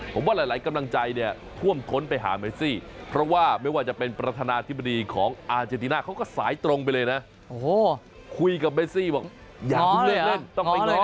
คุยกับเบซซี่อย่าเพิ่งเลือกเล่นต้องไปง้อ